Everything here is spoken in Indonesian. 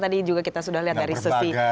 tadi juga kita sudah lihat dari sisi